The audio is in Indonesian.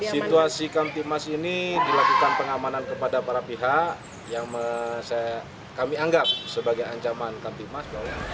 situasi kamtip mas ini dilakukan pengamanan kepada para pihak yang kami anggap sebagai ancaman kamtip mas